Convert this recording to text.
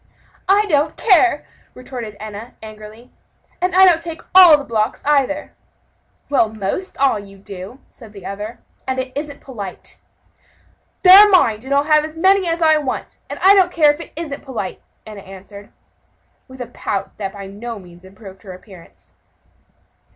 "I don't care," retorted Enna, angrily, "and I don't take all the blocks, either." "Well, most all, you do," said the other, "and it isn't polite." "They're mine, and I'll have as many as I want; and I don't care if it isn't polite," Enna answered, with a pout that by no means improved her appearance.